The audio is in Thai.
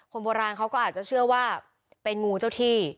โบราณเขาก็อาจจะเชื่อว่าเป็นงูเจ้าที่